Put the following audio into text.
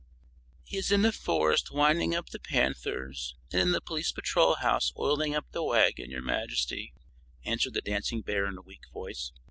"He is in the forest winding up the panthers and in the police patrol house oiling up the wagon, your Majesty," answered the dancing bear in a weak voice.